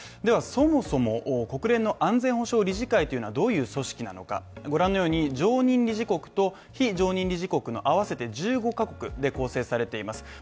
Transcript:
そもそも、国連の安全保障理事会はどういう組織なのか御覧のように常任理事国と非常任理事国の合わせて１５カ国で構成されています。